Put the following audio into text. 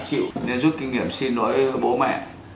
cô này cô này bán laptop à